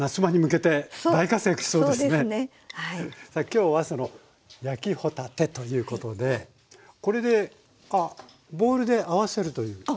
今日はその焼き帆立てということでこれであっボウルで合わせるということ？